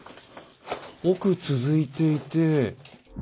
奥続いていて。